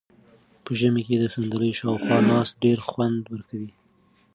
په ژمي کې د صندلۍ شاوخوا ناسته ډېر خوند ورکوي.